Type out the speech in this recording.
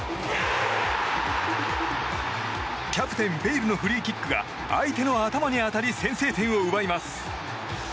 キャプテンベイルのフリーキックが相手の頭に当たり先制点を奪います。